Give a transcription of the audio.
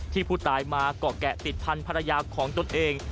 ที่ผู้ตายมาเกาะแกะติดพันธรรยาของตนเอง